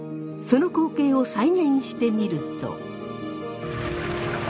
その光景を再現してみると。